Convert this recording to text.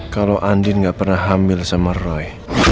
kalau andien gak pernah hamil sama roy